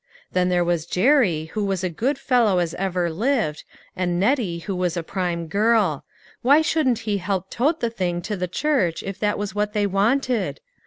Then there was Jerry who was a good fellow as ever lived, and Nettie who was a prime girl ; why shouldn't he help tote the thing down to the church if that was what they wanted?